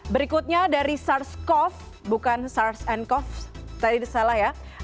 berikutnya dari sars cov bukan sars ncov tadi salah ya